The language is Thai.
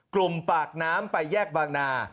กลุ่มปากน้ำไปแยกบางนา